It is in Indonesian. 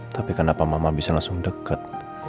tapi kenapa mama bisa langsung dekat